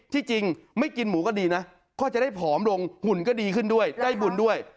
จริงไม่กินหมูก็ดีนะก็จะได้ผอมลงหุ่นก็ดีขึ้นด้วยได้บุญด้วย